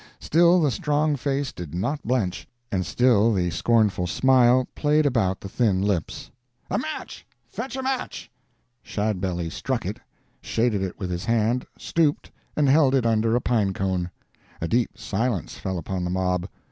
Still the strong face did not blench, and still the scornful smile played about the thin lips. "A match! fetch a match!" Shadbelly struck it, shaded it with his hand, stooped, and held it under a pine cone. A deep silence fell upon the mob.